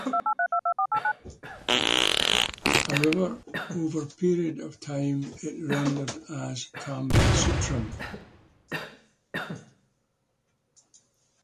However, over period of time it rendered as "Kamba Sutram".